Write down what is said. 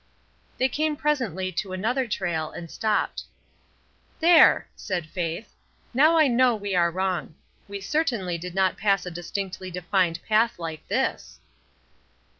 They came presently to another trail, and stopped. '* There!" said Faith, ''now I know we are wrong. We certainly did not pass a distinctly defined path hke this."